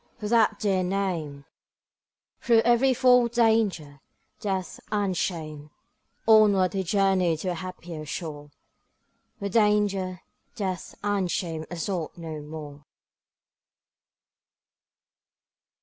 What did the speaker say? for that dear name, Through every form of danger, death, and shame, Onward he journeyed to a happier shore, Where danger, death, and shame assault no more.